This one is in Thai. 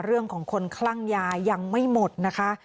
เรื่องของคนคลั่งยายังไม่หมดนะคะ